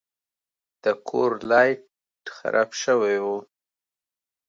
د کور لایټ خراب شوی و.